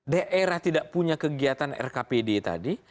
daerah tidak punya kegiatan rkpd tadi